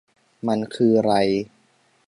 มันคือไร